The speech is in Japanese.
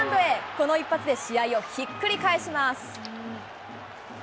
この一発で試合をひっくり返します。